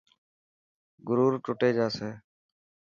گرور ٽٽي جاسي.